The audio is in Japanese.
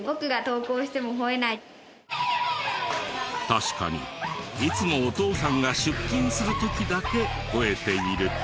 確かにいつもお父さんが出勤する時だけ吠えている。